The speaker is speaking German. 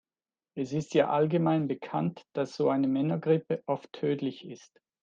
Es ist ja allgemein bekannt, dass so eine Männergrippe oft tödlich ist.